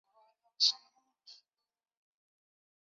紫果蔺为莎草科荸荠属的植物。